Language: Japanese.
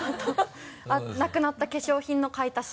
なくなった化粧品の買い足し。